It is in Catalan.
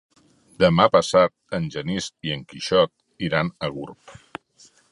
Demà passat en Genís i en Quixot iran a Gurb.